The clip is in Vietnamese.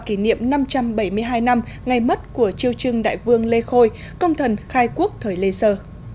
kỷ niệm năm trăm bảy mươi hai năm ngày mất của triều trưng đại vương lê khôi công thần khai quốc thời lê sơ